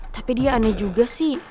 tapi dia aneh juga sih